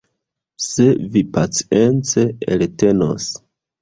Se vi pacience eltenos.